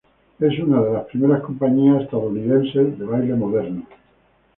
Es una de las primeras compañías estadounidenses de baile moderno.